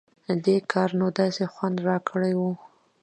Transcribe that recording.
دې کار نو داسې خوند راکړى و.